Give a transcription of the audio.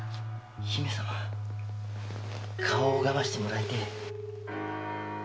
姫様顔を拝ましてもらいてえ。